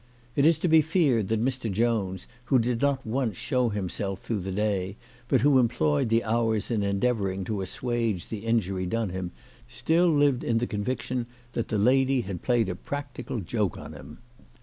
It is to be feared that Mr. Jones, who did not once show himself through the day, but who employed the hours in endeavouring to assuage the injury done him, still lived in the convic sion that the lady had played a practical joke on him.